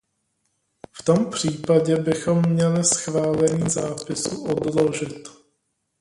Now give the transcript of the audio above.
V tom případě bychom měli schválení zápisu odložit.